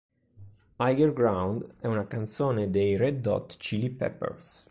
Higher Ground è una canzone dei Red Hot Chili Peppers.